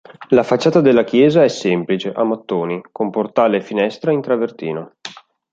La facciata della chiesa è semplice, a mattoni, con portale e finestra in travertino.